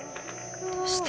どうして？